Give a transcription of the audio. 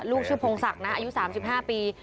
ลูกชื่อโพงศักดิ์นะอายุสามสิบห้าปี